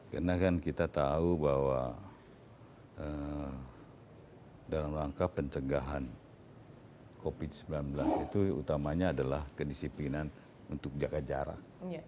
karena kan kita tahu bahwa dalam rangka pencegahan covid sembilan belas itu utamanya adalah kedisiplinan untuk jaga jarak